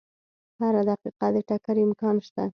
هره دقیقه د ټکر امکان شته.